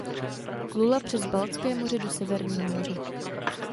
Plula přes Baltské moře do Severního moře.